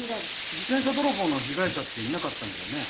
自転車泥棒の被害者っていなかったんだよね？